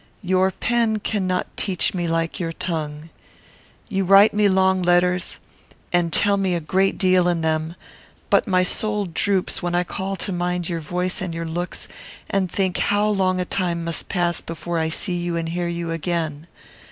Your pen cannot teach me like your tongue. You write me long letters, and tell me a great deal in them; but my soul droops when I call to mind your voice and your looks, and think how long a time must pass before I see you and hear you again.